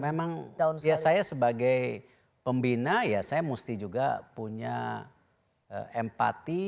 memang ya saya sebagai pembina ya saya mesti juga punya empati